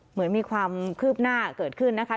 เหมือนมีความคืบหน้าเกิดขึ้นนะคะ